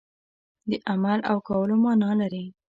د عمل او کولو معنا لري.